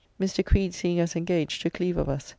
Mr. Creede seeing us engaged took leave of us.